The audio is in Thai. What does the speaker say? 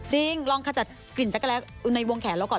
ลองขจัดกลิ่นจักรแลตในวงแขนเราก่อน